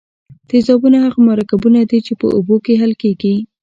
تیزابونه هغه مرکبونه دي چې په اوبو کې حل کیږي.